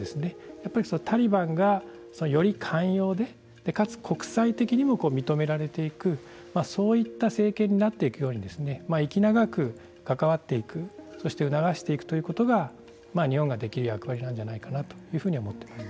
やっぱりタリバンがより寛容でかつ国際的にも認められていくそういった政権になっていくようにですね息長く関わっていくそして促していくということが日本ができる役割なんじゃないかなというふうに思っています。